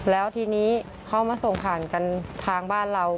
แล้วทีนี้เขามาส่งผ่านกันทางบ้านเรา